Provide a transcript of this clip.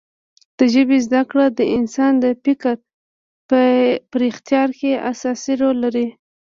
د ژبې زده کړه د انسان د فکر پراختیا کې اساسي رول لري.